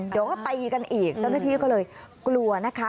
เดี๋ยวก็ตีกันอีกเจ้าหน้าที่ก็เลยกลัวนะคะ